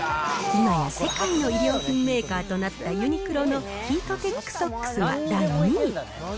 今や世界の衣料品メーカーとなったユニクロのヒートテックソックスが第２位。